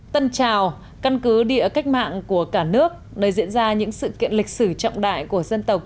tân trào căn cứ địa cách mạng của cả nước nơi diễn ra những sự kiện lịch sử trọng đại của dân tộc